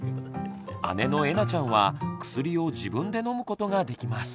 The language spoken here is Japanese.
姉のえなちゃんは薬を自分で飲むことができます。